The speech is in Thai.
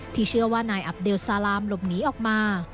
เชื่อว่านายอับเดลซาลามหลบหนีออกมา